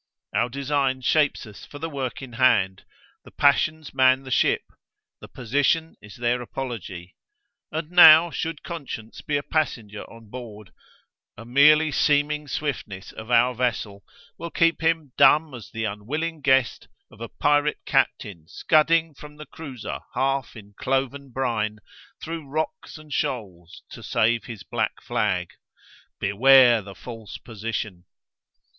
Our design shapes us for the work in hand, the passions man the ship, the position is their apology: and now should conscience be a passenger on board, a merely seeming swiftness of our vessel will keep him dumb as the unwilling guest of a pirate captain scudding from the cruiser half in cloven brine through rocks and shoals to save his black flag. Beware the false position.